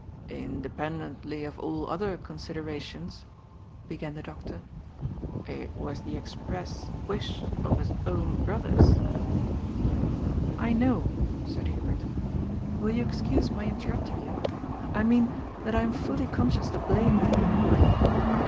^^ Independently of all other considerations," began the doctor, " it was the express wish of his own brothers "" I know," said Hubert " Will you excuse my interrupt ^g you? I mean that I am fully conscious the blame would be mine.